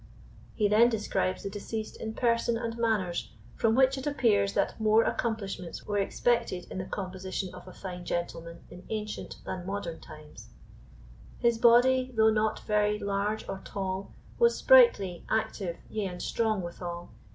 He then describes the deceased in person and manners, from which it appears that more accomplishments were expected in the composition of a fine gentleman in ancient than modern times: His body, though not very large or tall, Was sprightly, active, yea and strong withal.